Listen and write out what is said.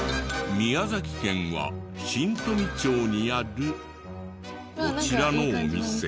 宮崎県は新富町にあるこちらのお店。